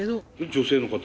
女性の方？